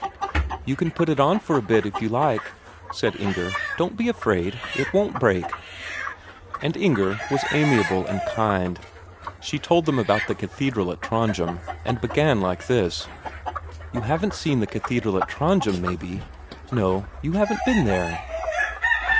"You can put it on for a bit if you like," said Inger. "Don't be afraid, it won't break." And Inger was amiable and kind. She told them about the cathedral at Trondhjem, and began like this: "You haven't seen the cathedral at Trondhjem, maybe? No, you haven't been there!"